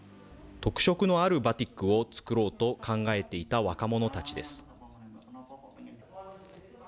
特色のあるバティックを作ろうと考えていた若者たちです。